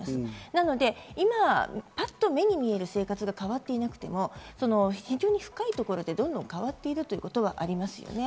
なので今パッと見える生活が変わっていなくても、非常に深いところでどんどん変わっているということはありますよね。